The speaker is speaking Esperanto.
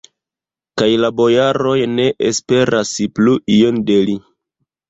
Kaj la bojaroj ne esperas plu ion de li.